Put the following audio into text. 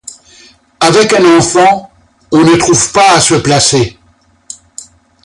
Avec un enfant, on ne trouve pas à se placer.